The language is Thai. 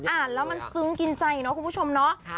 อ่านแล้วมันซึ้งกินใจเนาะคุณผู้ชมเนาะ